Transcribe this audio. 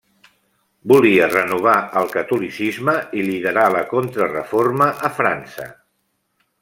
Volia renovar el catolicisme i liderar la Contrareforma a França.